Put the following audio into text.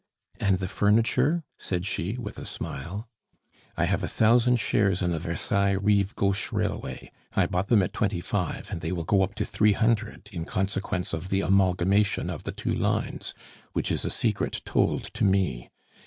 "And the furniture?" said she, with a smile. "I have a thousand shares in the Versailles rive gauche railway. I bought them at twenty five, and they will go up to three hundred in consequence of the amalgamation of the two lines, which is a secret told to me.